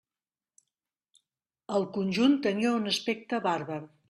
El conjunt tenia un aspecte bàrbar.